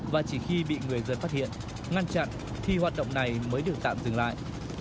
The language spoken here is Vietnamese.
và chỉ khi bị người dân phát hiện ngăn chặn thì hoạt động này mới được tạm dừng lại